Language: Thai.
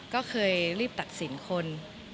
ก็เคยรีบตัดสินคน